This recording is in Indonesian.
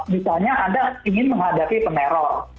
misalnya anda ingin menghadapi peneror